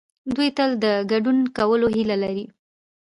دوی تل د ګډون کولو هيله لري.